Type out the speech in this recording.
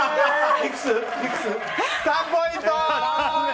３ポイント！